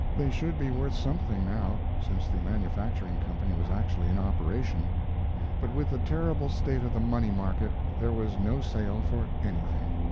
They should be worth something now since the manufacturing company was actually in operation; but with the terrible state of the money market there was no sale for anything.